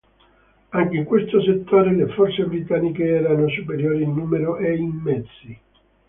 Anche in questo settore le forze britanniche erano superiori in numero e in mezzi.